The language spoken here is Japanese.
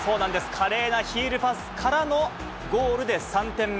華麗なヒールパスからのゴールで３点目。